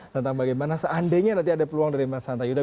tentang bagaimana seandainya nanti ada peluang dari mas hanta yuda